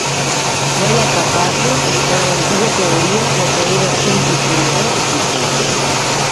No hi ha cap base per a l'antiga teoria de que era un historiador oficial.